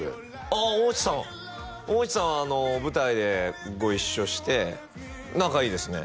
ああ大地さん大地さんは舞台でご一緒して仲いいですね